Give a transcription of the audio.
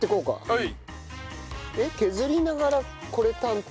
はい。